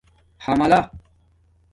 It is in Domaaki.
حملہ